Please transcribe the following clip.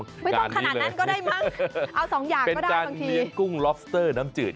ไม่ต้องขนาดนั้นก็ได้มั้งเอาสองอย่างก็ได้บางทีเลี้ยงกุ้งล็อบสเตอร์น้ำจืด